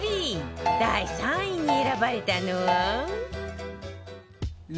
第３位に選ばれたのは